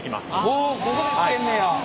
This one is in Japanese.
ほうここでつけんねや。